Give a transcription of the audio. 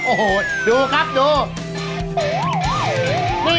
โอ้โหดูครับดู